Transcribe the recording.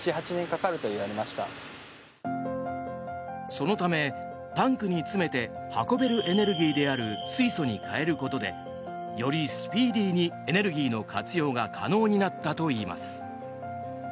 そのため、タンクに詰めて運べるエネルギーである水素に変えることでよりスピーディーにエネルギーの活用が可能になったといいます。